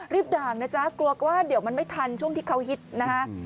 ด่างนะจ๊ะกลัวก็ว่าเดี๋ยวมันไม่ทันช่วงที่เขาฮิตนะฮะ